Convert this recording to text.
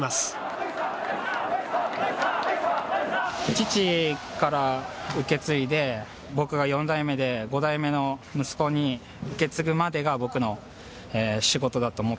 父から受け継いで僕が４代目で５代目の息子に受け継ぐまでが僕の仕事だと思ってるので。